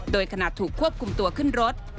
โดยขณะถูกควบคุมตัวขึ้นรถ